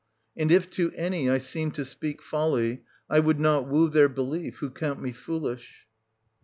And if to any I seem to speak folly, I would not woo their belief, who count me foolish.